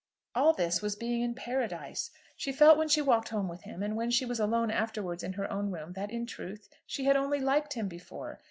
All this was being in Paradise. She felt when she walked home with him, and when she was alone afterwards in her own room, that, in truth, she had only liked him before.